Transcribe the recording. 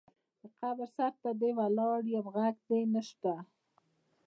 قبر سرته دې ولاړ یم غږ دې نه شــــته